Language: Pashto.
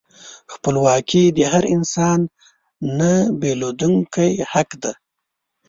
خپلواکي د هر انسان نهبیلېدونکی حق دی.